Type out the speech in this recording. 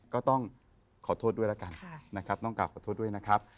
ก็ต้องขอโทษด้วยแล้วกันนะครับต้องกลับขอโทษด้วยนะครับ